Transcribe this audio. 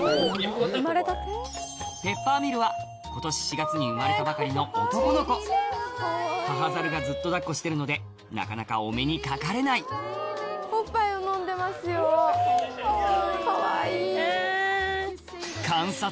ペッパーミルは今年４月に生まれたばかりの男の子母ザルがずっと抱っこしてるのでなかなかお目にかかれないえ